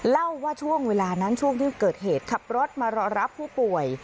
เล่าว่าช่วงเวลานั้นช่วงที่เกิดเหตุขับรถมารอรับผู้ป่วย